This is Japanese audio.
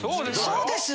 そうです。